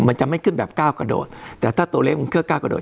มันจะไม่ขึ้นแบบก้าวกระโดดแต่ถ้าตัวเลขมันเครื่องก้าวกระโดด